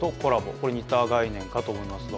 これに似た概念かと思いますが。